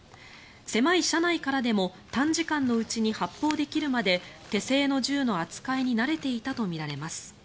狭い車内からでも短時間のうちに発砲できるまで手製の銃の扱いに慣れていたとみられます。